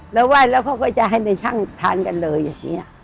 แล้วไหว้แล้วเขาก็จะให้ในช่างทานกันเลยอย่างนี้